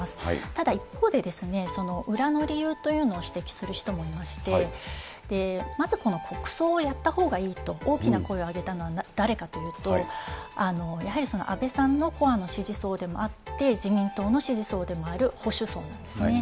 ただ一方で、裏の理由というのを指摘する人もいまして、まず、この国葬をやったほうがいいと、大きな声を上げたのは誰かというと、やはり安倍さんのコアな支持層でもあって、自民党の支持層でもある保守層なんですね。